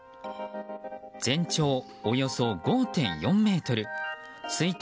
全長およそ５．４ｍ推定